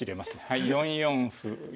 はい４四歩。